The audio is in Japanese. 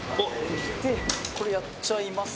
「でこれやっちゃいます」